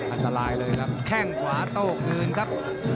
อันตรายเลยครับแข้งขวาโต้คืนครับ